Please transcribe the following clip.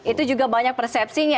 itu juga banyak persepsinya